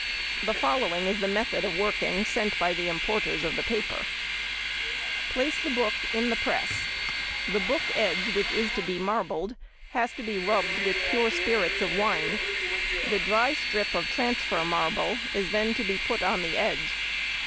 The following is the method of working sent by the importers of the paper:— "Place the book in the press. The book edge which is to be marbled has to be rubbed with pure spirits of wine; the dry strip of transfer marble is then to be put on the edge.